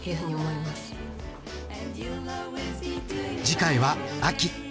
次回は秋。